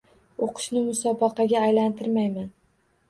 Oʻqishni musobaqaga aylantirmayman.